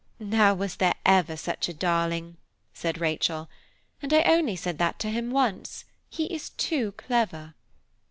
"Now, was there ever such a darling?" said Rachel, "and I only said that once to him. He is too clever!"